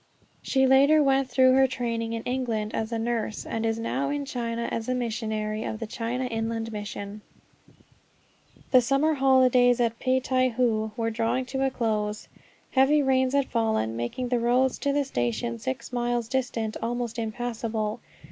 She later went through her training in England as a nurse, and is now in China as a missionary of the China Inland Mission. The summer holidays at Peitaiho were drawing to a close. Heavy rains had fallen, making the roads to the station, six miles distant, almost impassable.